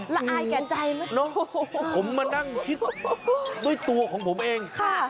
๕๐ล้านฟังไม่ผิดค่ะคุณ